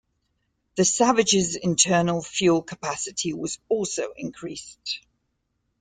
The Savage's internal fuel capacity was also increased.